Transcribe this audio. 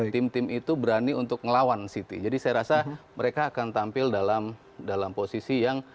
tim tim itu berani untuk ngelawan city jadi saya rasa mereka akan tampil dalam dalam posisi yang